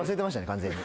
完全に。